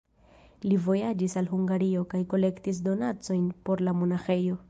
Li vojaĝis al Hungario kaj kolektis donacojn por la monaĥejo.